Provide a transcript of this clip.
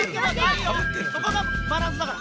そこがバランスだから。